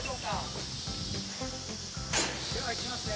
ではいきますね。